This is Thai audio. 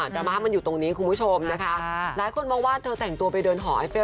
ดราม่ามันอยู่ตรงนี้คุณผู้ชมนะคะหลายคนมองว่าเธอแต่งตัวไปเดินหอไอเฟล